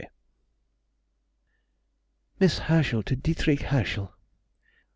_] MISS HERSCHEL TO DIETRICH HERSCHEL.